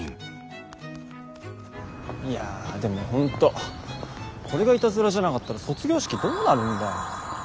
いやでも本当これがイタズラじゃなかったら卒業式どうなるんだよ。